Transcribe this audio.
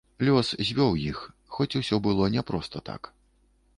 Лёс звёў іх, хоць усё было не проста так.